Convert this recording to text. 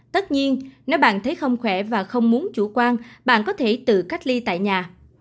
tất nhiên nếu bạn thấy không khỏe và không muốn chủ quan bạn có thể tự cách ly tại nhà